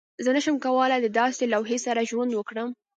زه نشم کولی د داسې لوحې سره ژوند وکړم